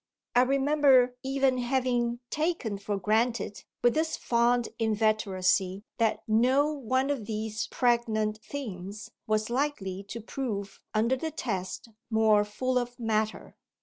I remember even having taken for granted with this fond inveteracy that no one of these pregnant themes was likely to prove under the test more full of matter.